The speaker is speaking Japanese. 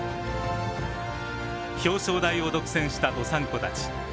表彰台を独占したどさんこたち。